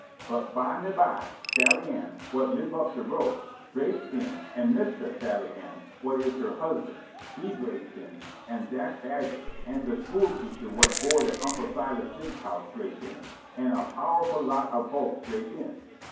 But byme by Sally Ann, whut live' up de road, draps in, an' Mistah Sally Ann, whut is her husban', he draps in, an' Zack Badget an' de school teacher whut board' at Unc' Silas Diggs's house drap in, an' a powerful lot ob folks drap in.